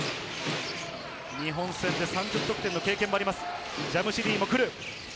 日本戦で３０得点の経験もあります、ジャムシディも来る。